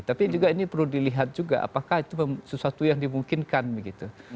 tapi juga ini perlu dilihat juga apakah itu sesuatu yang dimungkinkan begitu